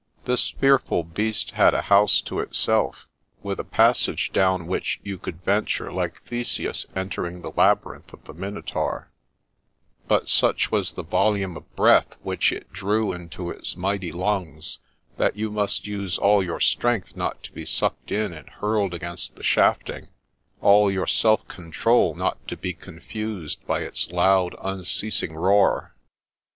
This fearful beast had a house to itself, with a passage down which you could venture like Theseus entering the labyrinth of the Minotaur ; but such was the volume of breath which it drew into its mighty lungs that you must use all your strength not to be sucked in and hurled against the shafting ; all your self control not to be confused by its loud, unceasing roar.